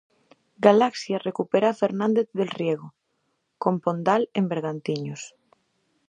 Galaxia recupera a Fernández del Riego "Con Pondal en Bergantiños".